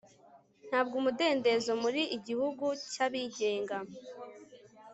Ntabwo umudendezo muri igihugu cyabigenga